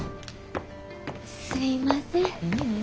すいません。